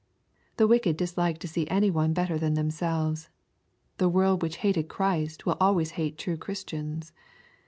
The wicked dislike to see any one better than themselves. The world which hated Christ will always hate true Christians.